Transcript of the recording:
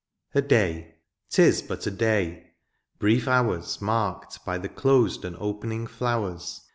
A day — ^'tis but a day, brief hours. Marked by the closed and opening flowers.